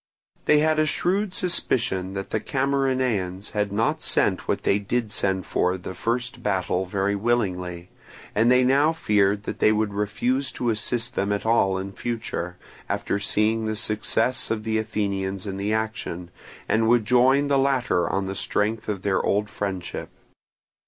They had a shrewd suspicion that the Camarinaeans had not sent what they did send for the first battle very willingly; and they now feared that they would refuse to assist them at all in future, after seeing the success of the Athenians in the action, and would join the latter on the strength of their old friendship.